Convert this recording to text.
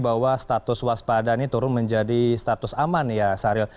bahwa status waspada ini turun menjadi status aman ya sahril